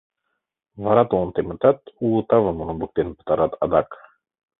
Вара толын темытат, уло тавым румбыктен пытарат адак.